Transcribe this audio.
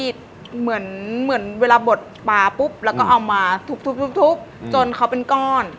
ปลดปลาปุ๊บแล้วก็เอามาทุบจนเขาเป็นก้อน